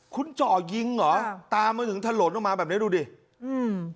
คุณเจาะยิงเหรอตามมาถึงถนนออกมาแบบเนี้ยดูดิอืม